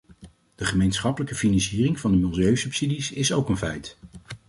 De gemeenschappelijke financiering van de milieusubsidies is ook een feit.